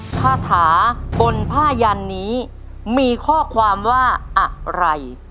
ข้าท้าบนพ่ายานนี้มีข้อความว่าอะไร